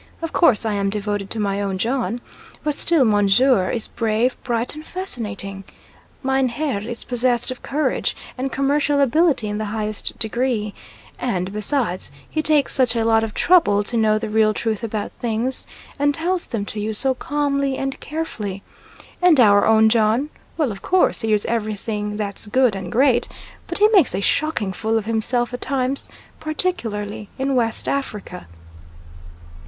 Of course I am devoted to my own John; but still Monsieur is brave, bright, and fascinating; Mein Herr is possessed of courage and commercial ability in the highest degree, and, besides, he takes such a lot of trouble to know the real truth about things, and tells them to you so calmly and carefully and our own John well, of course, he is everything that's good and great, but he makes a shocking fool of himself at times, particularly in West Africa.